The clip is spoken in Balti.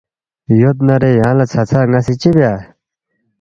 یودنارے یانگلا ژھژھا ناسی چی بیا